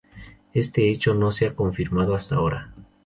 Este hecho no se ha confirmado hasta ahora.